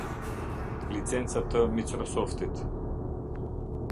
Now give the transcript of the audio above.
Licenca të Microsoftit